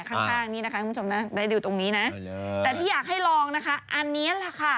ข้างข้างนี้นะคะคุณผู้ชมได้ดูตรงนี้นะแต่ที่อยากให้ลองนะคะอันนี้แหละค่ะ